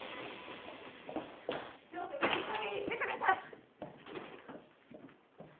ちょっといい加減にしてください！